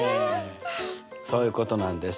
そういうことなんです。